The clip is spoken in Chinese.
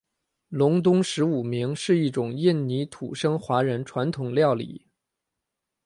隆东十五暝是一种印尼土生华人传统料理。